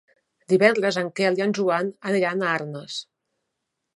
Divendres en Quel i en Joan aniran a Arnes.